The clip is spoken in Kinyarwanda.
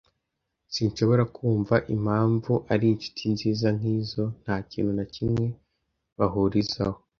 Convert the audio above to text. Sinshobora kumva impamvu ari inshuti nziza nkizo. Nta kintu na kimwe bahurizaho.